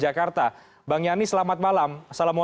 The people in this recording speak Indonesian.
assalamualaikum warahmatullahi wabarakatuh